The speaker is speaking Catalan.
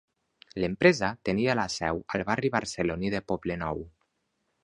L'empresa tenia la seu al barri barceloní de Poblenou.